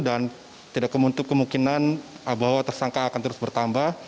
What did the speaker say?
dan tidak kemuntup kemungkinan bahwa tersangka akan terus bertambah